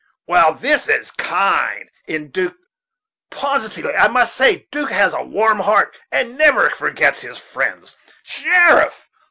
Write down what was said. Well, this is kind in 'Duke, positively. I must say 'Duke has a warm heart, and never forgets his friends. Sheriff!